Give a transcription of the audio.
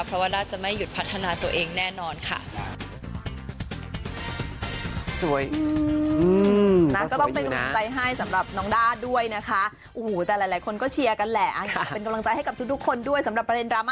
เพราะว่าด้าจะไม่หยุดพัฒนาตัวเองแน่นอนค่ะ